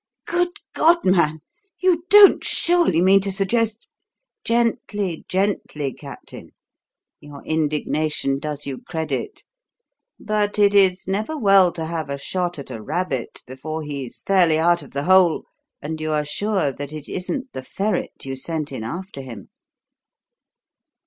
"Good God, man! You don't surely mean to suggest " "Gently, gently, Captain. Your indignation does you credit; but it is never well to have a shot at a rabbit before he's fairly out of the hole, and you are sure that it isn't the ferret you sent in after him.